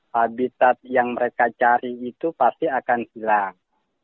habitat yang mereka cari itu pasti akan hilang